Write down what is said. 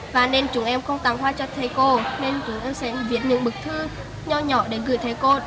và nên chúng em không tặng hoa cho thầy cô nên chúng em sẽ viết những bức thư nhỏ nhỏ để gửi thầy cô